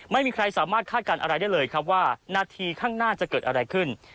ไม่มีใครสามารถคาดการณ์อะไรได้เลยครับว่านาทีข้างหน้าจะเกิดอะไรขึ้น